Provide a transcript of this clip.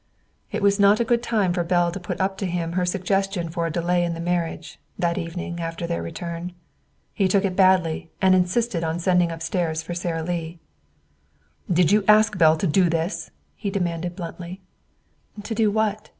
It was not a good time for Belle to put up to him her suggestion for a delay in the marriage, that evening after their return. He took it badly and insisted on sending upstairs for Sara Lee. "Did you ask Belle to do this?" he demanded bluntly. "To do what?"